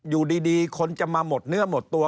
อยู่ดีคนจะมาหมดเนื้อหมดตัว